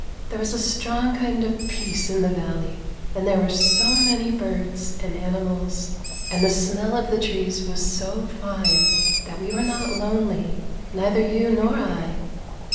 There was a strong kind of peace in the valley, and there were so many birds and animals, and the smell of the trees was so fine, that we were not lonely, neither you nor I."